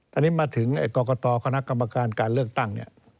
ตอนนี้มาถึงกรกตคณะกรรมการการเลือกตั้งเนี่ย